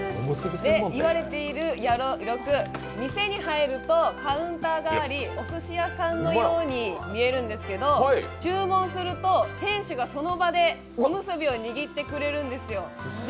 そう言われている宿六、店に入るとカウンターがあり、おすし屋さんのように見えるんですけど、注文すると店主がその場でおむすびを握ってくれるんですよ。